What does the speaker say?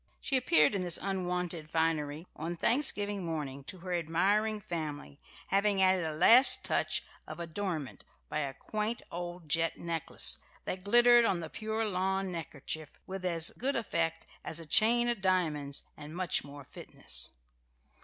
She appeared in this unwonted finery on Thanksgiving morning to her admiring family, having added a last touch of adornment by a quaint old jet necklace, that glittered on the pure lawn neckkerchief with as good effect as a chain of diamonds and much more fitness.